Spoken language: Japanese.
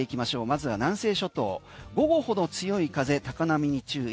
まずは南西諸島強い風、高波に注意。